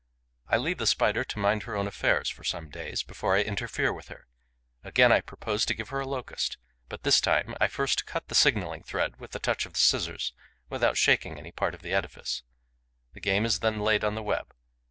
I leave the Spider to mind her own affairs for some days, before I interfere with her. I again propose to give her a Locust; but, this time, I first cut the signalling thread with a touch of the scissors, without shaking any part of the edifice. The game is then laid on the web.